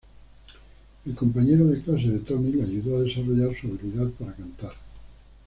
El compañero de clases de Tommy le ayudó a desarrollar su habilidad para cantar.